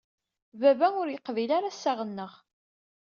Baba ur yeqbil ara assaɣ-nneɣ.